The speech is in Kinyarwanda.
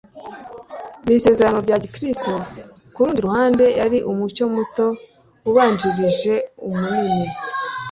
n'isezerano rya gikristo ku rundi ruhande. Yari umucyo muto ubanjirije umunini.